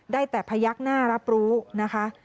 ได้แต่พยักหน้ารับรู้นะคะ